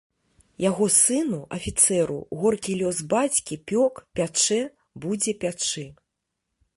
Яго сыну, афіцэру, горкі лёс бацькі пёк, пячэ, будзе пячы.